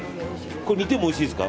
これ煮てもおいしいですか？